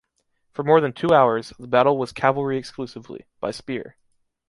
For more than two hours, the battle was cavalry exclusively, by spear.